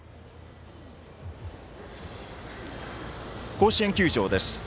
甲子園球場です。